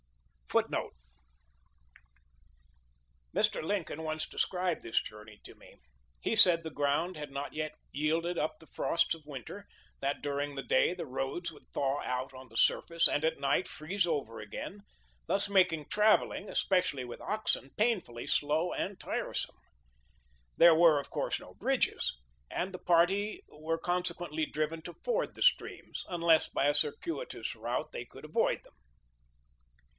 Mr. Lincoln once described this journey to me. He said the ground had not yet yielded up the frosts of winter ; that during the day the roads would thaw out on the surface and at night freeze over again, thus making travelling, especially with oxen, painfully slow and tiresome. There were, of course, no bridges, and the party were consequently driven to ford the streams, unless by a circuitous route they could avoid them.